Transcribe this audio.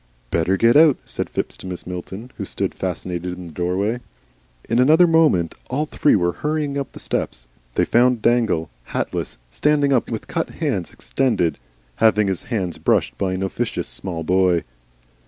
"Better get out," said Phipps to Mrs. Milton, who stood fascinated in the doorway. In another moment all three were hurrying up the steps. They found Dangle, hatless, standing up with cut hands extended, having his hands brushed by an officious small boy.